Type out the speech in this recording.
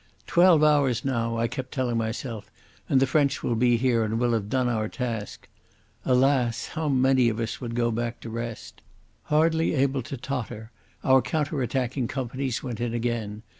Twelve hours now, I kept telling myself, and the French will be here and we'll have done our task. Alas! how many of us would go back to rest?... Hardly able to totter, our counter attacking companies went in again.